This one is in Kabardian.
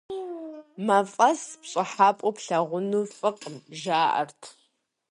МафӀэс пщӀыхьэпӀэу плъагъуну фӀыкъым, жаӀэрт.